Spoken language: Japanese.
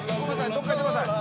どっか行ってください。